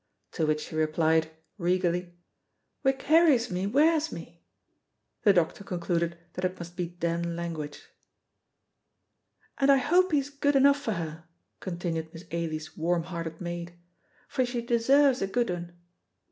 to which she replied, regally, "Wha carries me, wears me!" The doctor concluded that it must be Den language. "And I hope he's good enough for her," continued Miss Ailie's warm hearted maid, "for she deserves a good ane."